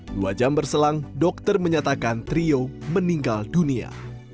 dua jam berselang dokter menyatakan trio meninggal dunia